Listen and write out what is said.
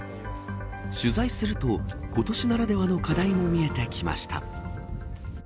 取材すると今年ならではの課題も見えてきました。